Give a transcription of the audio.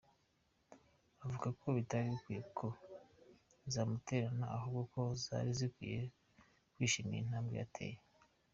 Avugako bitari bikwiye ko zamutererana ahubwo ko zari zikwiye kwishimira intambwe yateye.